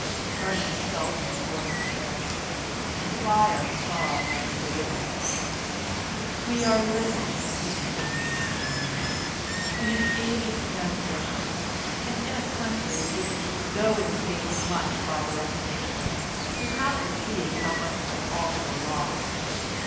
Ernest felt the force of this, and Pryer saw that he wavered. "We are living," he continued more genially, "in an age of transition, and in a country which, though it has gained much by the Reformation, does not perceive how much it has also lost.